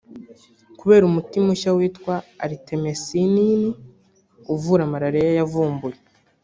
kubera umuti mushya witwa Artemisinin uvura Malariya yavumbuye